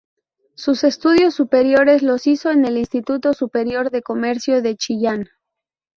Sus estudios superiores los hizo en el Instituto Superior de Comercio de Chillán.